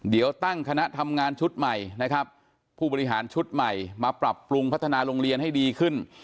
เดี๋ยวตั้งคณะทำงานชุดใหม่นะครับผู้บริหารชุดใหม่มาปรับปรุงพัฒนาโรงเรียนให้ดีขึ้น